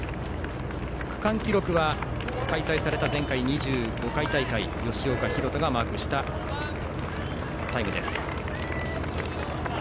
区間記録は開催された前回２５回大会の吉岡大翔がマークしたタイムです。